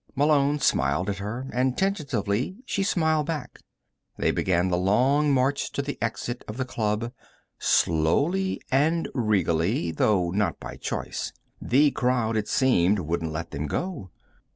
Malone smiled at her, and, tentatively, she smiled back. They began the long march to the exit of the club, slowly and regally, though not by choice. The crowd, it seemed, wouldn't let them go.